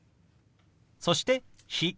そして「日」。